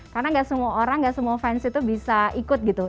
karena gak semua orang gak semua fans itu bisa ikut gitu